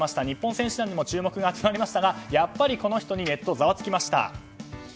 日本選手団にも注目が集まりましたがやっぱりこの人にネットがざわつきました。